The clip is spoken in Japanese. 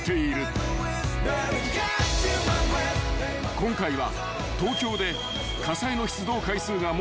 ［今回は］